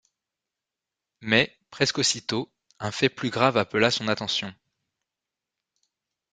Mais, presque aussitôt, un fait plus grave appela son attention.